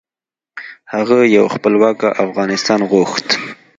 هغه یو خپلواک افغانستان غوښت .